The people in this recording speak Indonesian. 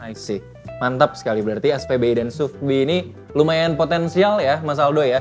baik sih mantap sekali berarti spbi dan subsidi ini lumayan potensial ya mas aldo ya